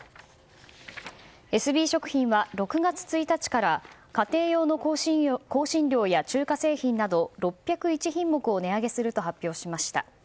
エスビー食品は６月１日から家庭用の香辛料や中華製品など６０１品目を値上げすると発表しました。